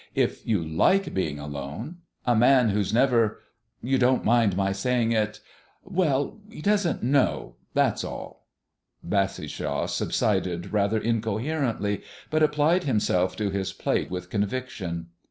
If you like being alone A man who's never you don't mind my saying it? well, he doesn't know, that's all." Bassishaw subsided rather incoherently, but applied himself to his plate with conviction.